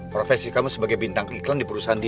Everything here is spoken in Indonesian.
profesi kamu sebagai bintang iklan di perusahaan